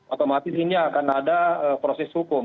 otomatis ini akan ada proses hukum